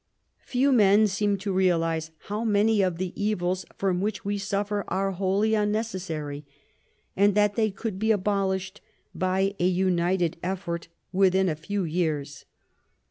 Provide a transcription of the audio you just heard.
Few men seem to realize how many of the evils from which we suffer are wholly unnecessary, and that they could be abolished by a united effort within a few years.